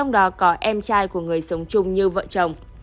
do có em trai của người sống chung như vợ chồng